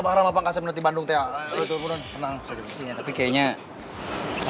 pak retopak mau pegang apa